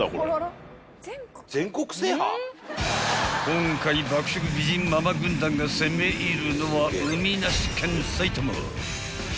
［今回爆食美人ママ軍団が攻め入るのは海なし県］